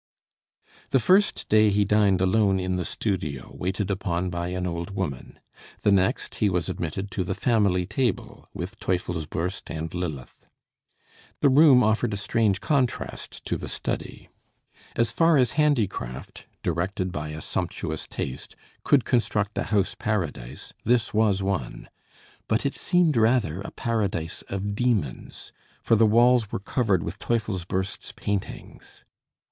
The first day he dined alone in the studio, waited upon by an old woman; the next he was admitted to the family table, with Teufelsbürst and Lilith. The room offered a strange contrast to the study. As far as handicraft, directed by a sumptuous taste, could construct a house paradise, this was one. But it seemed rather a paradise of demons; for the walls were covered with Teufelsbürst's paintings.